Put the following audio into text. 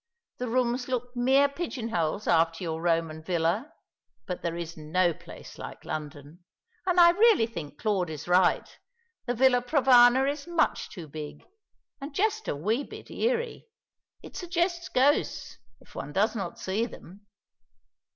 The rooms look mere pigeon holes after your Roman villa; but there's no place like London. And I really think Claude is right. The Villa Provana is much too big, and just a wee bit eerie. It suggests ghosts, if one does not see them.